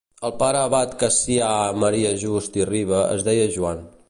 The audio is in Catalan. El pare abat Cassià Maria Just i Riba es deia Joan.